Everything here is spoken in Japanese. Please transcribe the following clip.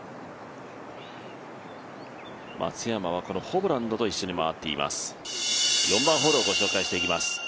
松山はホブランドと一緒に回っています。